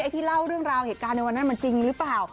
ที่เล่าเรื่องราวเหตุการณ์ในวันนั้นมันจริงหรือเปล่า